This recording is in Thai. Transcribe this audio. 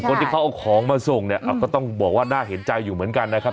คนที่เขาเอาของมาส่งเนี่ยก็ต้องบอกว่าน่าเห็นใจอยู่เหมือนกันนะครับ